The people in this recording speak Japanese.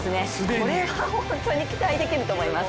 これは本当に期待できると思います。